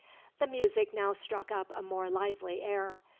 The music now struck up a more lively air.